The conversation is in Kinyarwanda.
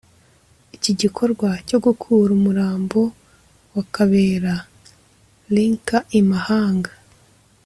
Iki gikorwa cyo gukura umurambo wa Kabera Lynker imahanga